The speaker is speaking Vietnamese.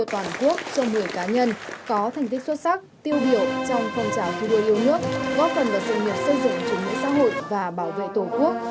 tổ quốc trong người cá nhân có thành tích xuất sắc tiêu biểu trong phong trào thu đuôi yêu nước góp phần vào sự nghiệp xây dựng chủ nghĩa xã hội và bảo vệ tổ quốc